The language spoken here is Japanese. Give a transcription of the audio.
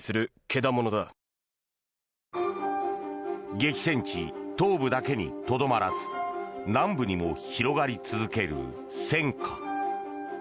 激戦地・東部だけにとどまらず南部にも広がり続ける戦火。